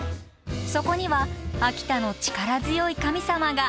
そこには秋田の力強い神様が。